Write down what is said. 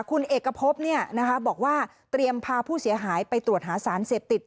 คุณเอกพบบอกว่าเตรียมพาผู้เสียหายไปตรวจหาสารเสพติด